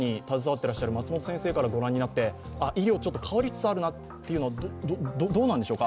てらっしゃる先生から御覧になって医療が変わりつつあるなというのはどうなんでしょうか？